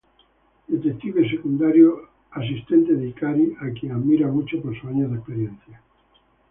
Detective secundario, asistente de Ikari, a quien admira mucho por sus años de experiencia.